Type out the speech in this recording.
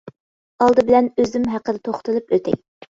ئالدى بىلەن ئۆزۈم ھەققىدە توختىلىپ ئۆتەي.